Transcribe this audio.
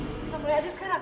kita mulai aja sekarang